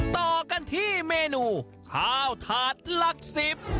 ถ้าคุณรู้ข้าวทาตรหลักสิบ